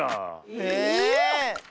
え？